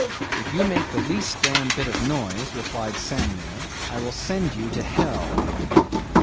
"If you make the least damn bit of noise," replied Samuel, "I will send you to hell."